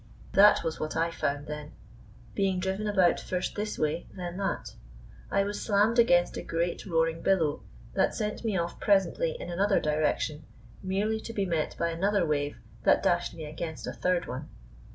That was what I found then, being driven about first this way, then that. I was slammed against a great, roaring billow that sent me off presently in another direction, merely to be met by another wave that dashed me against a third one.